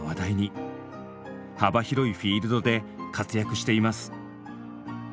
幅広いフィールドで活躍しています。